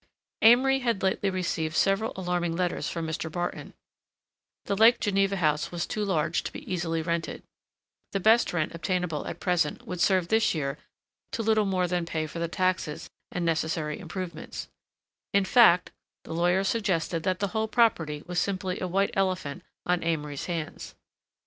Amory had lately received several alarming letters from Mr. Barton—the Lake Geneva house was too large to be easily rented; the best rent obtainable at present would serve this year to little more than pay for the taxes and necessary improvements; in fact, the lawyer suggested that the whole property was simply a white elephant on Amory's hands.